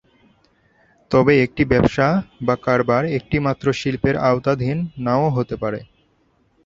তবে একটি ব্যবসা বা কারবার একটিমাত্র শিল্পের আওতাধীন না-ও হতে পারে।